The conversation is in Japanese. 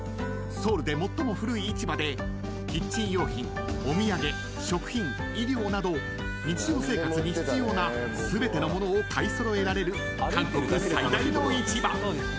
［キッチン用品お土産食品衣料など日常生活に必要な全てのものを買い揃えられる韓国最大の市場］